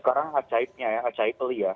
sekarang ajaibnya ya ajaib pelih ya